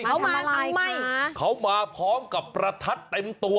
เขามาทำไมเขามาพร้อมกับประทัดเต็มตัว